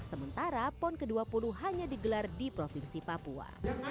sementara pon ke dua puluh hanya digelar di provinsi papua